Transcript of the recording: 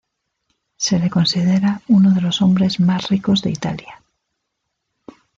Se le considera uno de los hombres más ricos de Italia.